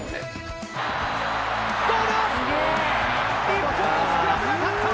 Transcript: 日本のスクラムが勝った！